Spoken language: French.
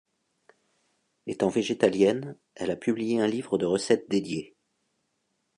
Étant végétalienne, elle a publié un livre de recettes dédiées.